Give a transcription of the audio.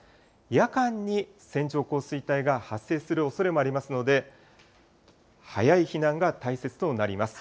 夜間に線状降水帯が発生するおそれもありますので、早い避難が大切となります。